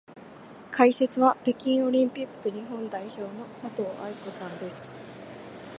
解説は北京オリンピック日本代表の佐藤愛子さんです。